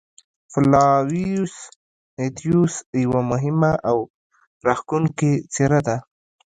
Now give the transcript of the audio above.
فلاویوس اتیوس یوه مهمه او راښکوونکې څېره وه.